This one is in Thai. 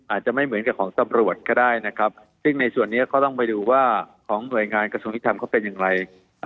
อาจจะไม่เหมือนกับของตำรวจก็ได้นะครับซึ่งในส่วนนี้ก็ต้องไปดูว่าของหน่วยงานกระทรวงยุทธรรมเขาเป็นอย่างไร